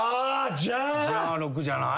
じゃあ６じゃない？